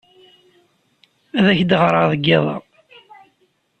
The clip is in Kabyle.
Ad ak-d-ɣreɣ deg yiḍ-a.